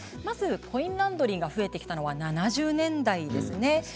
まずコインランドリーが増えてきたのは７０年代です。